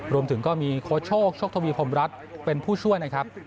รวมถึงก็มีโค้ชโชคโชคทวีพรมรัฐเป็นผู้ช่วยนะครับ